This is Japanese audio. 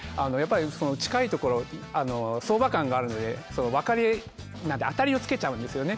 近いところ、相場観があるのであたりをつけちゃうんですよね。